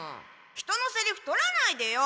人のセリフ取らないでよ！